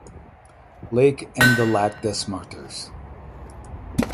Lake and the Lac des Martres.